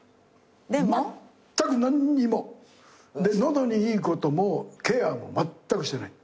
まったく何にも。で喉にいいこともケアもまったくしてない。